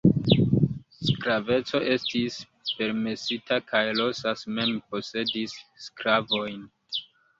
Sklaveco estis permesita kaj Rosas mem posedis sklavojn.